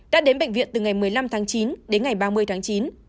đã đến bệnh viện từ ngày một mươi năm tháng chín đến ngày ba mươi tháng chín